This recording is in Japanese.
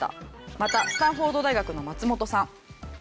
またスタンフォード大学の松本さん。